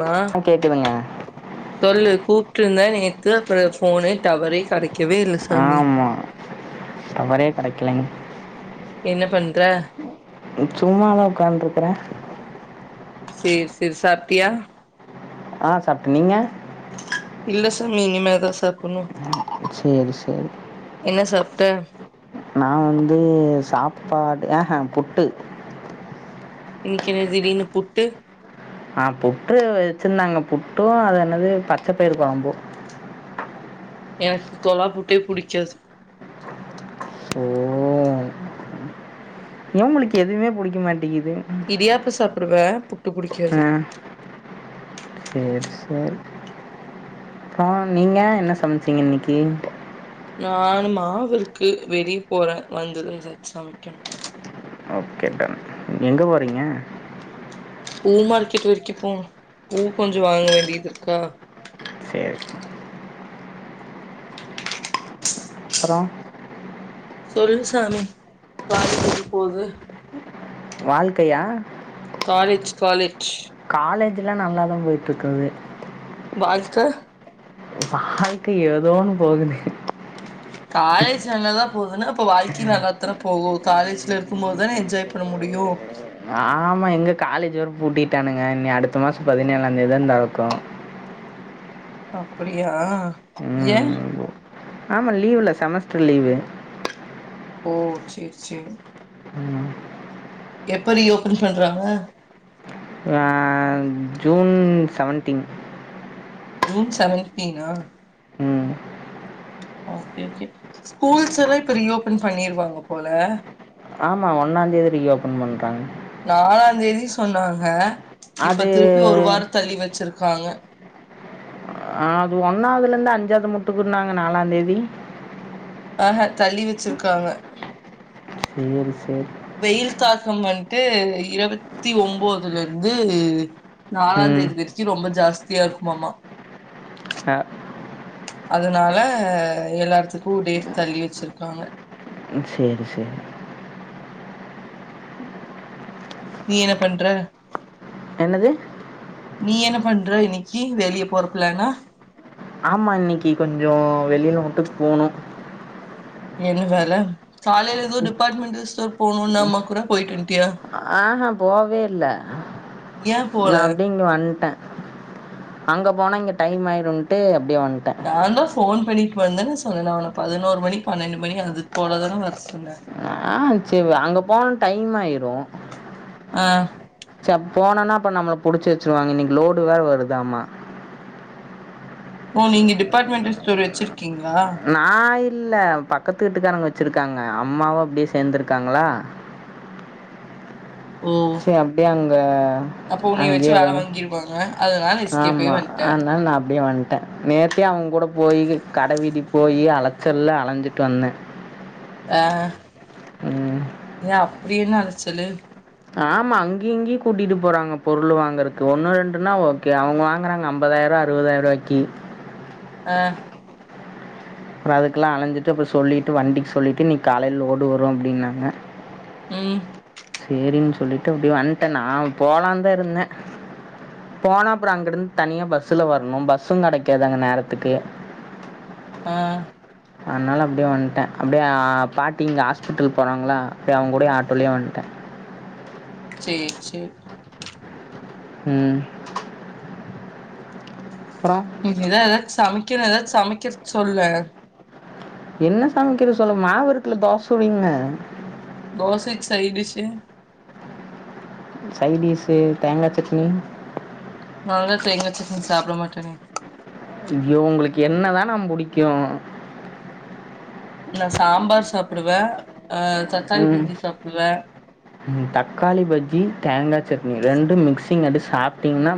மா ஆ கேக்குதுங்க சொல்லு கூப் கூப்ட்ருந்த நேத்து அப்ற போனே டவரே கடைக் ஆமா டவரே கெடைக்கலங்க என்ன பண்ற சும்மாதா உக்கான்ட்ருக்கற சேரி சேரி சாப்டியா ஆஹ் சாப்ட நீங்க இல்ல சாமி இனிமேதா சாப்டணு சேரி சேரி உம் நா வந்து சாப்பாடு ஆஹ்ஹா புட்டு இன்னக்கி என்ன திடீர்னு புட்டு ஆஹ் புட்டு வச்சிர்ந்தாங்க புட்டு அது என்னது பச்சப்பயிறு கொழம்பு எனக்கு கொலா புட்டே புடிக்காது ஓஹோ ஏ உங்களுக்கு எதுமே புடிக்க மாட் இடியாப்ப சாப்டுவே புட்டு புடிக்காது ஆ சேரி ஆஹ் நீங்க என்ன சமச்சிங்க இன்னக்கி யானு மாவுருக்கு வெளிய போறே வந்துதா எதாச் சமைக்கனு ஓகே டன் எங்க போறீங்க பூ மார்க்கெட் வரைக்கு போனு பூ கொஞ்ச வாங்க வேண்டியதுருக்கா சரி அப்ற சொல்லுசாமி காலேஜ் எப்டி போது வாழ்க்கையா காலேஜ் காலே காலேஜ் ஜுலா நல்லாதா போயிட்ருக்குது வாழ்க்க வாழ்க்க ஏதோனு போகுது காலேஜ் செம்மதா போதுனா அப்ப வாழ்க்கையு நல்லாத்தான போகு காலேஜ்ல இருக்கும் போதுதானே என்ஜாய் பண்ண முடியு ஆமா எங்க காலேஜ் வேற பூட்டிட்டானுங்க இனி அடுத்த மாச பதினேழாந்தேதிதா தொரக்கு அப்டியா உம் ஆமா லீவ்ல செமஸ்டர் லீவு ஓ சேர் சேர் எப்ப இனி ஓபன் பண்றாங்க ஆஹ் ஜூன் சவன்டீன் ஜூன் சவன்டீனா உம் ஓகே ஓகே ஸ்கூல்ஸ்லா இப்ப ரீ ஓப்பன் பண்ணிருவாங்க போல ஆமா ஒன்னாந் தேதி ரீ ஓப்பன் பண்றாங்க நாலாந் தேதி சொன்னாங்க இப்ப அது திருப்பி ஒரு வார தள்ளி வச்சிருக் காங்க ஆஹ் அது ஒன்னாவ்துல இருந்து அஞ்சாவ்து மட்டுக்குன்னாங்க நாலாந் தேதி ஆஹ்ஹ தள்ளி வச்சிருக்றாங்க சேரி சேரி வெயில் தாக்கம் வந்ட்டு இருவத்தி ஒம்போதுல இருந்து நாலாந் ம் தேதி வரைக்கு ரொம்ப ஜா ஜாஸ்தியா இருக்குமாமா ஆஹ் அதுனால எல்லாடத்துக்கு டேட் தள்ளி வச்சிருக்காங்க சேரி சேரி நீ என்ன பண்ற என்னது நீ என்ன பண்ற இன்னைக்கி வெளிய போற பிளானா ஆமா இன்னைக்கி கொஞ்சம் வெளில மட்டும் போணும் என்ன வேல காலேல ஏதோ டிபார்ட்மெண்டல் ஸ்டோர் போனும்ன அம்மா கூட போயிட்டு வன்ட்டியா ஆஹா போவே இல்ல ஏ போல நான் அப்டி இங்க வந்ட்டேன் அங்க போனா இங்க டைம் ஆய்டும்ட்டு அப்டியே வந்ட்டேன் போன் பண்ணிட்டு வந்தன்னு சொன்னல நான் உன்ன பதினோரு மணி பன்னெண்டு மணி அது போலதான வர சொன்னேன் ஆ சரி அங்க போணா டைம் ஆயிரும் ஆஹ் ச போனோனா அப்ப நம்மள புடுச்சு வச்சிருவாங்க இன்னைக்கு லோடு வேற வருதாமா ஓ நீங்க டிபார்ட்மெண்டல் ஸ்டோர் வச்சிரு க்கீங்களா நான் இல்ல பக்கத்து வீட்டுக்காரங்க வச்சிருக்காங்க அம்மாவும் அப்டியே சேந்திருக்காங்களா ஓ சரி அப்டியே அங்க அப்போ உன்னைய வச்சு அங்கேயே ஏதோ வேல ஒரு வாங்கிருவாங்க அதனால எஸ்கேப் ஆயி ஆமா வந்ட்டே ஆனால நான் அப்டியே வன் ட்டேன் நேத்தே அவன் கூட போயி கடவீதி போய் அலைச்சல்ல அலைஞ்சிட்டு வந்தே அஹ் ஏ அப்டி என்ன அலச்சலு ஆமா அங்கியும் இங்கியும் கூட்டிட்டு போறாங்க பொருள் வாங்கறக்கு ஒண்ணு ரெண்டுன்னா ஓகே அவுங்க வாங்கறாங்க ஐம்பதாயிரூவா அறுபதாயிரூவாய்க்கி ஆஹ் அப்புறம் அதுக்குலாம் அழஞ்சிட்டு அப்புறம் சொல்லிட்டு வண்டிக்கு சொல்லிட்டு இன்னைக்கி காலேல லோடு வரும் அப்டின்னாங்க உம் சேரினு சொல்லிட்டு அப்படிய வன்டே நா போலான் தான் இருந்தேன் போனா அப்புறம் அங்கிருந்து தனியா பஸ்ல வரணும் பஸ்ஸும் கெடைக்காது அங்க நேரத்துக்கு ஆஹ் அதனால அப்டியே வன்டேன் அப்டியே பாட்டி இங்க ஹாஸ்பிட்டல் போறாங்களா அப்டியே அவுங்க கூடயே ஆட்டோலயே வந்ட்டேன் சேர் சேர் உம் இனிதா எதாது சமக் க்குன்னு ஏதாது சமைக்கிறதுக்கு சொல்லு என்ன சமைக்கிறது சொல்ல மாவிருக்குல தோச வைங்க தோசைக்கு சைடுடிஸு சைடிஸு தேங்கா சட்னி நான்லா தேங்கா சட்னி சாப்ட மாட்டேனே ஐயோ உங்களுக்கு என்னதான் நா புடிக்கும் நா சாம்பார் சாப்டுவேன் ஆஹ் தக்காளி ம் பஜ்ஜி சாப்டுவேன் தக்காளி பஜ்ஜி தேங்கா சட்னி ரெண்டு மிக்சிங் அடுச்சி சாப்ட்டிங்னா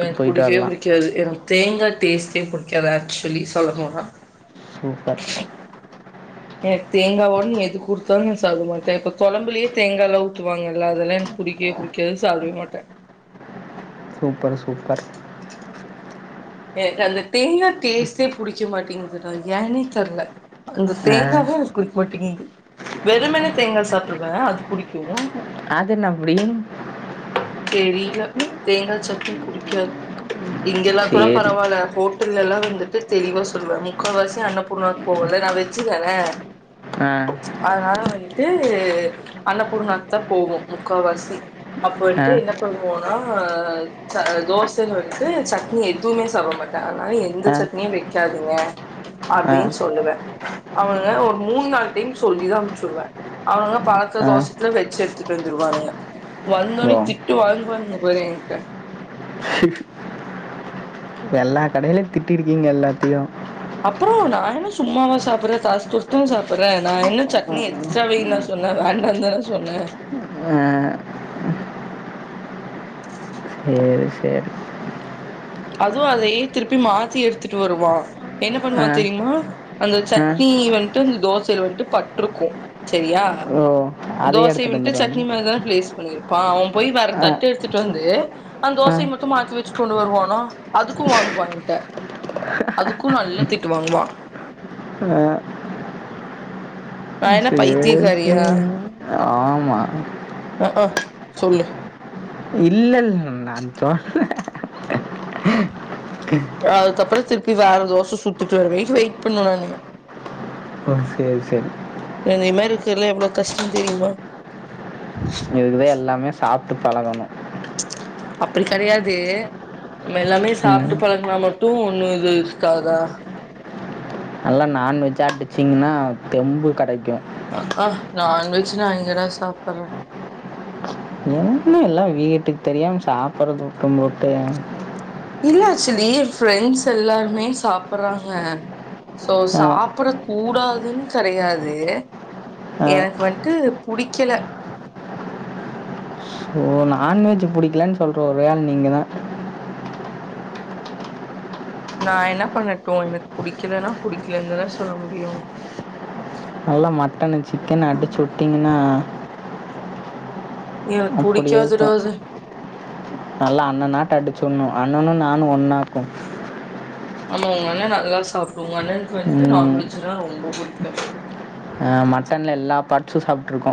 எனக்கு புடிக்கவே புடிக்காது எனக்கு தேங்கா டேஸ்ட்டே புடிக்காது ஆக்சுவலி சொல்லப்போனா சூப்பர் எனக் தேங்காவோட எது குடுத்தாலும் நா சாப்ட மாட்டேன் இப்ப தொழம்புலயே தேங்காய்ல்லாம் ஊத்துவாங்கல்ல அதெல்லாம் எனக்கு புடிக்கவே புடிக்காது சாப்டவே மாட்டேன் சூப்பர் சூப்பர் எனக்கு அந்த தேங்கா டேஸ்ட்டே புடிக்க மாட்டேங்குதுடா ஏன்னே தெர்ல அந்த ஆ தேங்காவே எனக்கு புடிக்க மாட்டேங்குது வெறுமனே தேங்கா சாப்டுவ அது புடிக்கு அதென்ன அப்டி தெரில தேங்கா சட்னி புடிக்காது இங்கெலா கூட சரி பரவால்ல ஹோட்டல் இதுலல்லா வந்துட்டு தெளிவா சொல்வ முக்கா வாசி அன்னபூர்ணாக்கு போவல்ல நா வெஜ்ஜுதான ஆ அதனால வந் ட்டு அன்னபூர்ணாக்குதா போவோ முக்காவாசி ஆ வந்துட்டு என்ன பண்ணுவோனா அ ச தோசைல வந்ட்டு சட்னி எதுமே சாப்ட மாட்ட அதனால எந்த ஆ சட்னியு வெக்கா திங்க ஆ அப்டின் சொல்லுவ அவங்க ஒரு மூணு நாலு டைம் சொல்லிதா அனுப்ச்சுடுவ அவனுங்க பழக்க ஆ தோசத்துல வெச்சு எடுத்துட்டு வந்துருவானுக ஓ வந்தோனே தி திட்டு வாங்குவானுங்க பாரு எங்கிட்ட எல்லா கடையிலயு திட்டிருக்கிங்க எல்லாத்தையு அப்பற நா என்ன சும்மாவா சாப்படறே காசு குடுத்துதான சாப்படறே நா என்ன சட்னி எக்ஸ்ட்ரா வெய்யினா சொன்ன வேண்டான்தான சொன்ன ஆ சேரி சேரி அதுவு அதையே திருப்பி மாத்தி எடுத்துட்டு வருவா என்ன ஆ பண்ணுவா தெரிமா அந்த ஆ சட்னி வந்ட்டு அந்த தோசைல வந்துட்டு பட்ருக்கு செரியா ஓ அதையே தோசைய எடுத்துகிட்டு வன்ட்டு வந்துடுவாங்க சட்னிமேல தான பிளேஸ் பண்ணிரு பாவம் பொய் வேர தட்டு எட்த்துட்டு வந் து அந் ஆ தோசை மாத்தி வெச் கொண்டு வருவானா அதுக்கு வாங்வா என்ட்ட அதுக்கு நல்லா திட்டு வாங்வா நா ம் என்ன சேரு சே பைத்தியக்காரியா ஆமா அ ஆ சொல்லு இல்லல்ல நா தொன்ன அதுக்கப்பற திருப் பி வேற தோச சுட்டுட்டு வர வெய்க்கு வெயிட் பண்ணுவ நானே ஒ சேரி சேரி கேர்ல்ல எவ்ளோ கஷ்டொந் தெரியுமா இதுக்குதா எல்லாமே சாப் ட்டு பழகணு அப்புடி கடையாது நம்ம எல்லாமே ம் சாப்ட்டு பழகுனா மட்டு ஒன்னு இது இஷ்காதா நல்லா நான்வெஜ்ஜா ஆட்டிச்சீங்ன்னா தெம்பு கெடைக்கு அ ஆ நான்வெஜ் நா எங்கனா சாப்பர்ற என்ன எல்லா வீட்டுக் தெரியாம சாப்படுறது வுட்டும் போட்டு இல்ல ஆக்ச்சுலி ஃப்ரெண்ட்ஸ் எல்லாருமே சாப்படுறாங்க சோ அ சாப்பட கூடாதுன் கடையாது அ எனக்கு வன்ட்டு புடிக்கல ஓ நான்வெஜ் புடிக்கலனு சொல்ற ஒரே ஆள் நீங்க தா நா என்ன பண்ணட்டு எனக் புடிக்கிலன்னா புடிக்கிலன் தான சொல்ல முடியு நல்லா மட்டனு சிக்கனு அடிச்சு விட்டீங்கன்னா எனக்கு அப்புடி இருக்கு புடிக்காதுடா அது நல்லா அண்ண நாட்ட ச்சுன்னு அண்ணனு நானு ஒன்னாக்கு ஆமா உங்கண்ண நல்லா சாப்டுவாண்ண க்கு வன்ட்டு ம் நான்வெஜ்ஜு னா ரொம்ப புடிக்கு அ மட்டன் எல்லா பாட்ஸு சாப்ட்ருக்கோ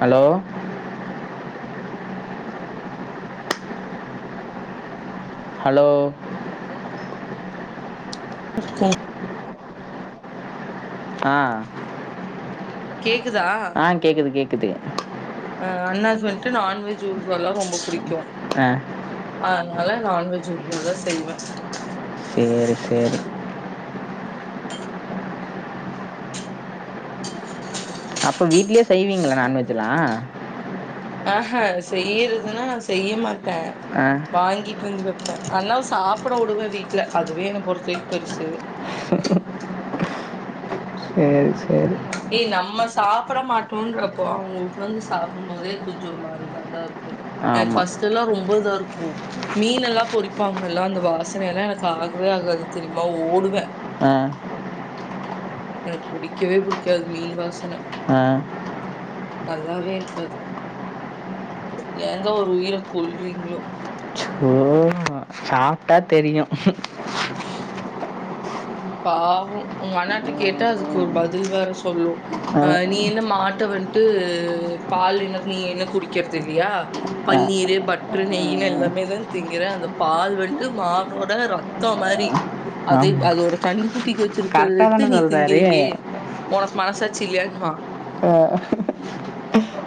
ஹலோ ஹலோ இருக்கு ஆ கேக்குதா குது அ அண்ணாக் வன்ட்டு நான்வெஜ் ஊர்காலா ரொம்ப புடிக்கு அ னால நான்வெஜ் ஊர்கா தா செய்வ சேரி சேரி அப்ப வீட்லியே செய்வீங்களா நான்வெஜ்ஜுலா ஆ செய்றதுன்னா செய்ய மாட்ட ஆ வாங்கிட்டு வந்து வெ அண்ணாவ சாப்ட விடுவே வீட்ல. அதுவே என்னை பொறுத்தவரைக்கு பெருசு. செரி செரி ஏய் நம்ம சாப்ட மாட்டோன்றப்போ அவங்களுக்கு வந்து சாப்டம்போதே கொஞ்சு ஒரு மாதிரிதாண்டா இருக்கு. எனக் ஆமாம் பஸ்ட் எல்லா ரொம்ப ரொம்ம்பதா இருக்கூ. மீன்னெல்லா பொறிப்பாங்கல்ல, அந்த வாசனை எல்லா எனக்கு ஆகவே ஆகாது தெரியுமா ஓடுவே. ஆ எனக்கு புடிக்கவே புடிக்காது மீன் வாசனை, ஆ நல்லாவே இருக்காது. ஏந்தா ஒரு உயிர கொல்றீங்ளோ? சாப்ட்டா தெரியு பாவோ உங்க அண்ணாட்ட கேட்டா அதுக்கு ஒரு பதில் வேற சொல்லு அ நீ என்ன மாட்ட வந்ட்டு பால் எனக்கு நீ என்ன குடிக்றது இல்லையா பன்னீரு, பட்டரு, நெய்னு எல்லாமேதா திங்கிற. அந்த பால் வண்ட்டு மாடோட ரத்தோ மாரி அதை ஆமா [unintelligible] குட்டிக்கு வச்சிருக்கறத எடுத்து நீ திங்கிறேயே. உனக்கு மனசு சாட்சி இல்லையானுவா ஆ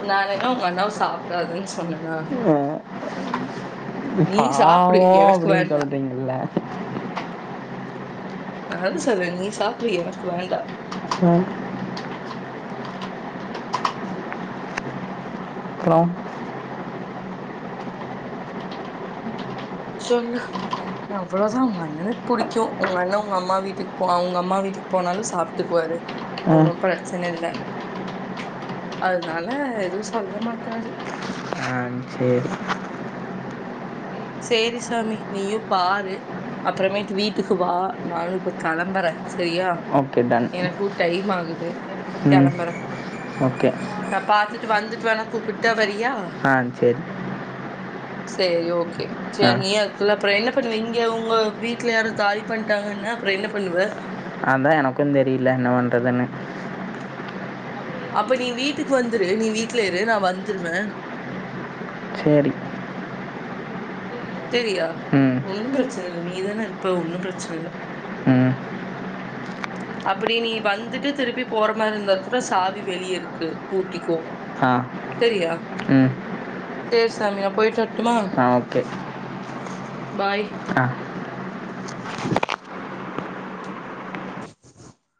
நா என்ன ஒங்க அண்ணாவ சாப்டாதன் சொன்னனா நீ பாவ சாப்டு எனக்கு அப்டின் வேண்டா சொல்றீங்கில்லா நானே சொல்றே நீ சாப்டு எனக்கு வேண்டா செரி அப்றோ சொல்லு அவ்ளோதா ஒங்க அண்ணனுக்கு புடிக்கு அதுனால்தா ஒங்க அம்மா வீட்டுக்கு போலா ஒங்க அம்மா வீட்டுக்கு போலானு சாப்ட்டுக்குவாரு ஆ ஒன்னு பிரச் சன இல்ல அதனால எதுவு சொல்ல மாட்டாரு ஆ சரி சேரி சாமி நீயு பாரு அப்றமாய்ட்டு வீட்டுக்கு வா நானு இப்ப கெளம்பறே செரியா ஓகே டன் எனக்கு டைம் ஆகுது ம் கெளம்புறே ஓகே நா பாத்துட் வந்துட்டு வேணா கூப்புட்டா வரி ஆஹ் சேரி சேரி ஓக் கே சேரி நீயே அதுக்குள்ள அப்ற என்ன பண்ணுவ இங்க ஒங்க வீட்ல யாரு தாழ் பண்ட்டாங்ன்னா அப்ற என்ன பண்ணுவ அதா எனக்கு தெரியல என்ன பண்றதுன்னு அப்ப நீ வீட்டுக்கு வந்துரு நீ வீட்ல இரு நா வந்துருவே சேரி தேரியா ம் ஒன்னு பிரச்ன இல்ல நீதான இருப்ப ஒன்னு பிரச்ன இல்ல ம் அப்டி நீ வந்துட்டு திருப்பி போற மாரி இருந்தா கூட சாவி வெளிய இருக்கு பூட்டிக்கோ தெரியா உம் சேரி சாமி நா போய்ட்டு வரட்டுமா ஓகே பாய் ஆ